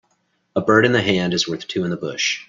A bird in the hand is worth two in the bush